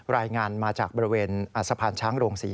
รายงานมาจากบริเวณสะพานช้างโรงศรี